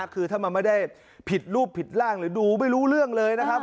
คือถ้ามันไม่ได้ผิดรูปผิดร่างหรือดูไม่รู้เรื่องเลยนะครับ